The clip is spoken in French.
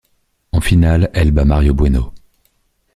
En finale, elle bat Maria Bueno.